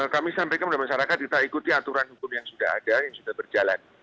kami sampaikan kepada masyarakat kita ikuti aturan hukum yang sudah ada yang sudah berjalan